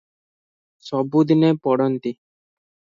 ସବୁଦିନେ ପଡ଼ନ୍ତି ।